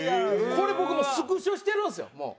これ僕スクショしてるんですよ